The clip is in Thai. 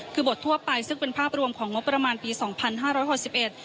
คือบททั่วไปซึ่งเป็นภาพรวมของงบประมาณปีสองพันห้าร้อยหกสิบเอ็ด